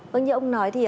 vâng như ông nói thì